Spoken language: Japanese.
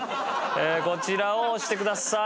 こちらを押してください。